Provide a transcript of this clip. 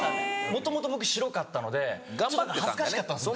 もともと僕白かったので恥ずかしかったんです昔。